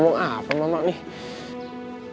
janganlah kau berpikir pikir